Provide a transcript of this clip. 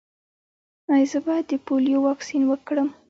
ایا زه باید د پولیو واکسین وکړم؟